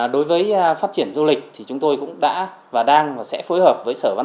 đối với phát triển du lịch thì chúng tôi cũng đã và đang và sẽ phối hợp với sở văn